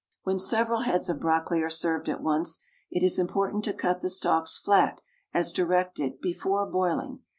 When several heads of brocoli are served at once, it is important to cut the stalks flat, as directed, before boiling.